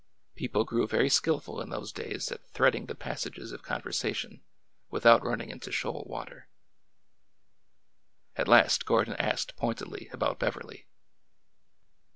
People grew very skilful in those days at threading the passages of conversation without running into shoal water. At last Gordon asked pointedly about Beverly.